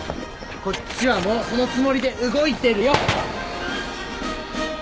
こっちはもうそのつもりで動いてるよ。